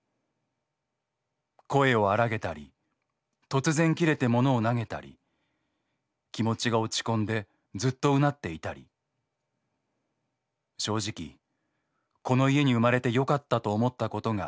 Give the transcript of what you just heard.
声を荒らげたり突然キレて物を投げたり気持ちが落ち込んでずっと唸っていたり正直この家に生まれてよかったと思ったことが１度もない。